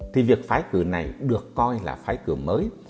thì việc phái cử này được coi là phái cử mới